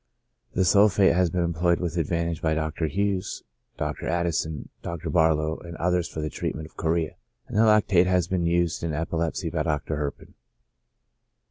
The sulphate has been employed with advantage by Dr. Hughes, Dr. Addison, Dr. Barlow, and others for the treatment of chorea, and the lactate has been used in epi lepsy by Dr. Herpin.